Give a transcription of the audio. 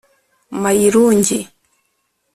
mayirungi